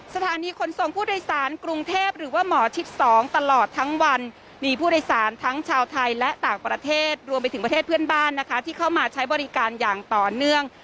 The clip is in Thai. สถานีขนส่งผู้โดยสารกรุงเทพหรือว่าหมอชิด๒ตลอดทั้งวันมีผู้โดยสารทั้งชาวไทยและต่างประเทศรวมไปถึงประเทศเพื่อนบ้านนะคะที่เข้ามาใช้บริการอย่างต่อเนื่อง